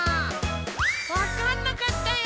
わかんなかったよ。